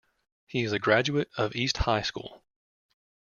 He is a graduate of East High School.